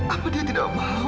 apa dia tidak mau